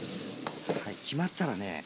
決まったらね。